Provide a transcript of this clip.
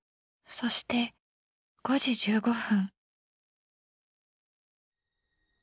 そして５時１５分。